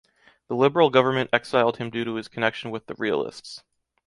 The liberal government exiled him due to his connection with the realists.